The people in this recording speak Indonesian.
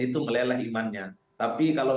itu meleleh imannya tapi kalau